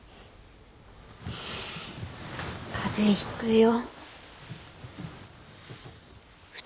風邪ひくよ。